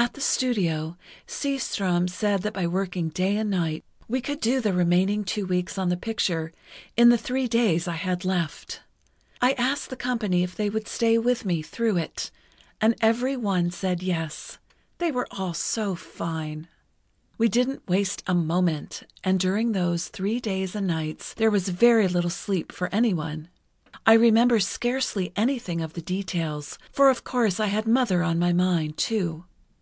"At the studio, Seastrom said that by working day and night we could do the remaining two weeks on the picture in the three days I had left. I asked the company if they would stay with me through it, and every one said yes. They were all so fine. "We didn't waste a moment, and during those three days and nights there was very little sleep for anyone. I remember scarcely anything of the details, for of course I had Mother on my mind, too.